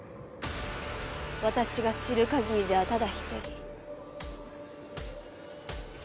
私が知る限りではただ一人。